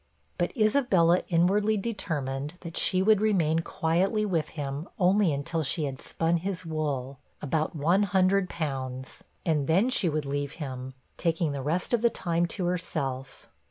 But Isabella inwardly determined that she would remain quietly with him only until she had spun his wool about one hundred pounds and then she would leave him, taking the rest of the time to herself.